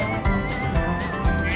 ini meneng dengan mudah saya